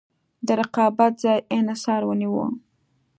د رقابت ځای انحصار ونیوه.